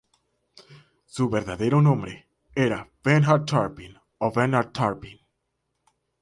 Su verdadero nombre era Bernhard Turpin o Bernard Turpin.